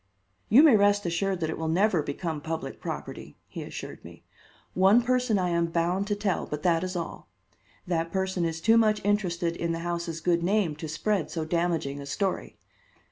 "You may rest assured that it will never become public property," he assured me. "One person I am bound to tell; but that is all. That person is too much interested in the house's good name to spread so damaging a story.